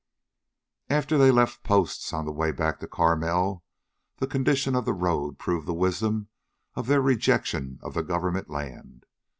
After they left Post's on the way back to Carmel, the condition of the road proved the wisdom of their rejection of the government land.